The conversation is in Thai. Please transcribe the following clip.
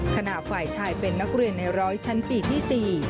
ฝ่ายชายเป็นนักเรียนในร้อยชั้นปีที่๔